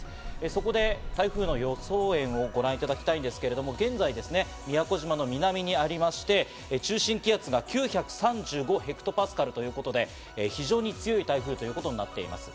そこで台風の予報円をご覧いただきたいんですけれども、現在、宮古島の南にありまして、中心気圧が９３５ヘクトパスカルで、非常に強い台風ということになっています。